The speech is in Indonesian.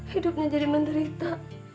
hidupnya jadi menderita